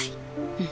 うん。